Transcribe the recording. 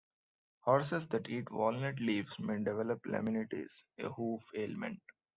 Horses that eat walnut leaves may develop laminitis, a hoof ailment.